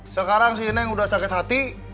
sekarang si neng udah sakit hati